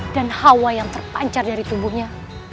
dan hawa yang terpancar dari tubuhnya